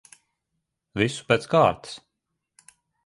Visu pēc kārtas.